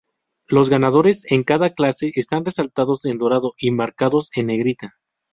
Los ganadores en cada clase están resaltados en dorado y marcados en negrita.